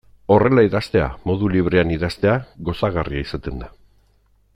Horrela idaztea, modu librean idaztea, gozagarria izaten da.